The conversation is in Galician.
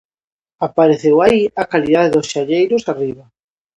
Apareceu aí a calidade dos xalleiros arriba.